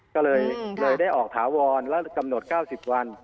ก็เลยได้ออกถาวรแล้วกำหนด๙๐วัน